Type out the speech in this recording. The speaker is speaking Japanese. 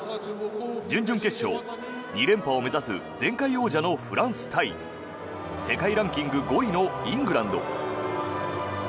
準々決勝、２連覇を目指す前回王者のフランス対世界ランキング５位のイングランド。